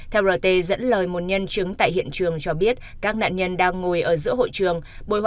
theo rt dẫn lời một nhân chứng tại hiện trường cho biết các nạn nhân đang ngồi ở giữa hội trường